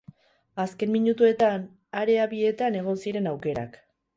Azken minutuetan area bietan egon ziren aukerak.